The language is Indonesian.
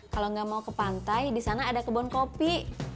kalau nggak mau ke pantai di sana ada kebun kopi